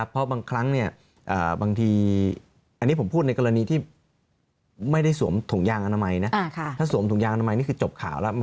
เพราะบางครั้งบางทีอันนี้ผมพูดในกรณีที่ไม่ได้สวมถุงยางอนามัยนะถ้าสวมถุงยางอนามัยนี่คือจบข่าวแล้ว